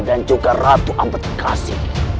dan juga ratu ampet kasih